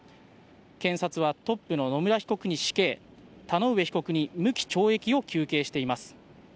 検察は、トップの野村被告に死刑、田上被告に無期懲役を求刑しています。